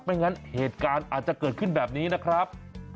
งั้นเหตุการณ์อาจจะเกิดขึ้นแบบนี้นะครับ